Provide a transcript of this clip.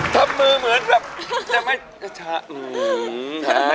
ทำมือเหมือนแบบจะไม่